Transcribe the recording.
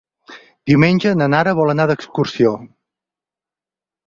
Diumenge na Nara vol anar d'excursió.